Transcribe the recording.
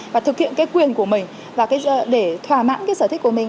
và thực hiện cái quyền của mình và để thỏa mãn cái sở thích của mình